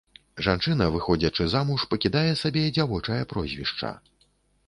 Жанчына, выходзячы замуж, пакідае сабе дзявочае прозвішча.